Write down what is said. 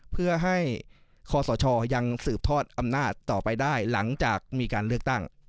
เพื่อให้คศยังสืบทอดอำนาจต่อไปได้หลังจากมีการเลือกตั้ง